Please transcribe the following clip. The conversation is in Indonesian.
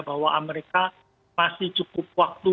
bahwa amerika masih cukup waktu